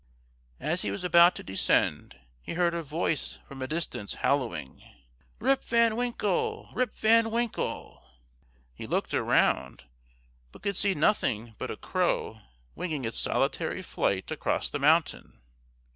As he was about to descend, he heard a voice from a distance hallooing: "Rip Van Winkle! Rip Van Winkle!" He looked around, but could see nothing but a crow winging its solitary flight across the mountain.